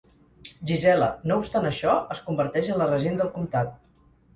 Gisela, no obstant això, es converteix en la regent del comtat.